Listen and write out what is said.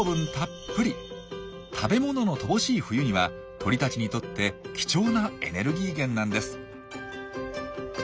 食べ物の乏しい冬には鳥たちにとって貴重なエネルギー源なんです。